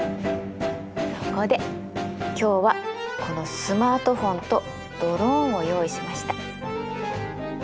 そこで今日はこのスマートフォンとドローンを用意しました。